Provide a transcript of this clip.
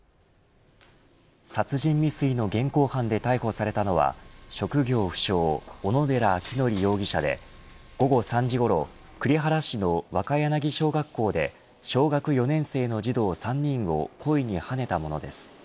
殺人未遂の現行犯で逮捕されたのは職業不詳、小野寺章仁容疑者で午後３時ごろ栗原市の若柳小学校で小学４年生の児童３人を故意にはねたものです。